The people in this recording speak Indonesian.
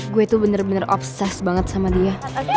gue tuh bener bener obses banget sama dia